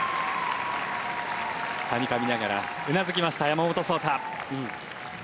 はにかみながらうなずきました山本草太。